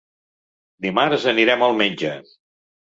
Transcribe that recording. Dimarts anirem al metge.